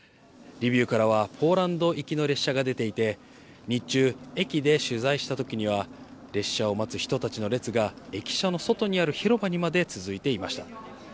リビウからはポーランド行きの列車が出ていて、日中、駅で取材したときには、列車を待つ人たちの列が、駅舎の外にある広場にまで続いていました。